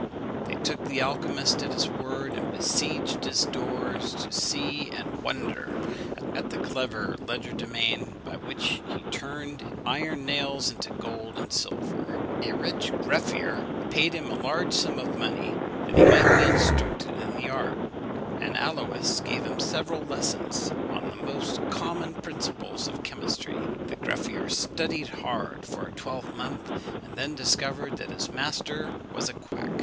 They took the alchymist at his word, and besieged his doors to see and wonder at the clever legerdemain by which he turned iron nails into gold and silver. A rich greffier paid him a large sum of money that he might be instructed in the art, and Aluys gave him several lessons on the most common principles of chemistry. The greffier studied hard for a twelvemonth, and then discovered that his master was a quack.